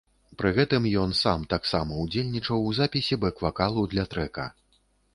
Пры гэтым ён сам таксама ўдзельнічаў у запісе бэк-вакалу для трэка.